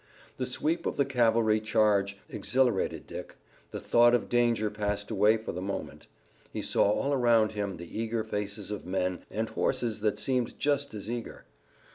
The sweep of the cavalry charge exhilarated Dick. The thought of danger passed away for the moment. He saw all around him the eager faces of men, and horses that seemed just as eager.